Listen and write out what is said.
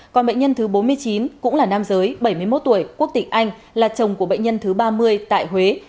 còn bệnh nhân thứ bốn mươi chín cũng là nam giới bảy mươi một tuổi quốc tịch anh là chồng của bệnh nhân thứ ba mươi tại huế